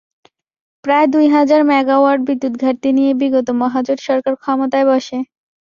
প্রায় দুই হাজার মেগাওয়াট বিদ্যুৎ ঘাটতি নিয়ে বিগত মহাজোট সরকার ক্ষমতায় বসে।